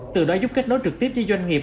từ đó giúp kết nối trực tiếp với doanh nghiệp